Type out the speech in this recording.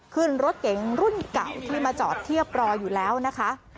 ขึ้นรถเก๋งรุ่นเก่าที่มาจอดเทียบรออยู่แล้วนะคะ